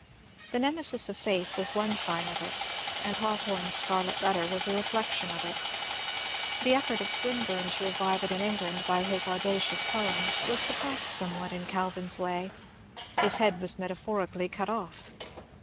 The " Nemesis of Faith " was one sign of it, and Hawthorne's " Scarlet Letter " was a reflection of it. The effort of Swinburne to revive it in England by his audacious poems was suppressed somewhat in Calvin's way; his head was metaphorically cut off.